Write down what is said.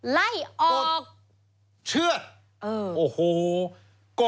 ไล่ออก